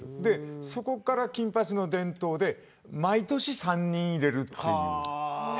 そこから金八の伝統で毎年３人、入れるという。